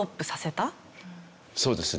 そうですね。